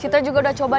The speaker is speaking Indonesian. tapi gak kesambung